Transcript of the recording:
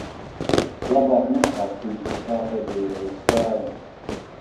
Labāk nestāstīšu, kā pēdējoreiz gāja.